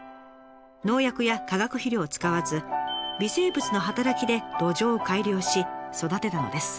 農薬や化学肥料を使わず微生物の働きで土壌を改良し育てたのです。